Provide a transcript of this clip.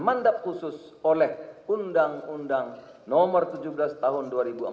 mandat khusus oleh undang undang nomor tujuh belas tahun dua ribu empat belas